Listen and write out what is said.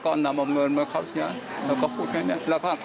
ก็นำเอาเงินมาครับท่าน